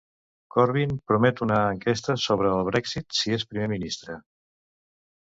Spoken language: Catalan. Corbyn promet una enquesta sobre el Brexit si és primer ministre.